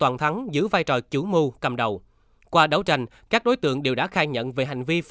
như vậy cils thích tiếp vào